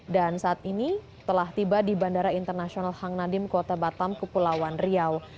dan saat ini telah tiba di bandara internasional hang nadiem kota batam kepulauan riau